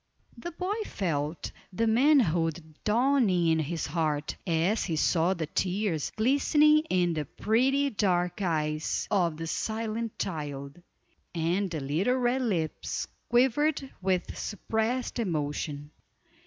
The boy felt the manhood dawning in his heart, as he saw the tears glistening in the pretty dark eyes of the silent child, and the little red lips quivered with suppressed emotion.